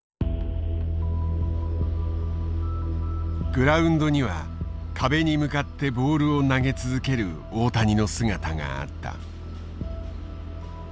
グラウンドには壁に向かってボールを投げ続ける大谷の姿があった。